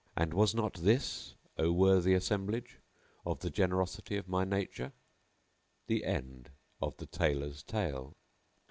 And was not this, O worthy assemblage, of the generosity of my nature? The End of the Tailor's Tale.